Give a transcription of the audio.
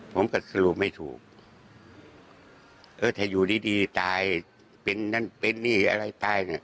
ผมก็สรุปไม่ถูกเออถ้าอยู่ดีดีตายเป็นนั่นเป็นนี่อะไรตายเนี่ย